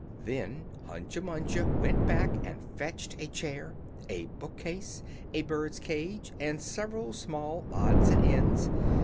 Then Hunca Munca went back and fetched a chair, a book case, a bird cage, and several small odds and ends.